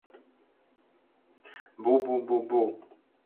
— Бу-бу-бу-бу...